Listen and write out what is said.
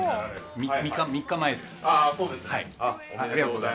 ３日前です。